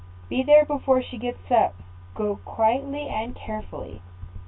Be there before she gets up; go quietly and carefully."